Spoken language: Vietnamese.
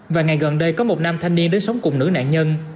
vài ngày gần đây có một nam thanh niên đến sống cùng nữ nạn nhân